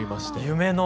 夢の？